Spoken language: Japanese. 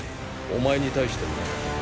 お前に対してもな。